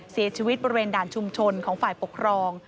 เสียชีวิตบริเวณด่านชุมชนของฝ่ายปกครอง